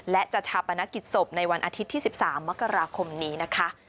และจะชาปนกิจศพในวันอาทิตย์ที่๑๓มกราคมนี้นะคะ